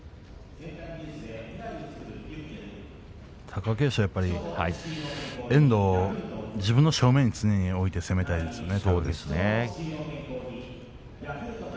貴景勝は遠藤を自分の正面に常に置いて攻めたいですね。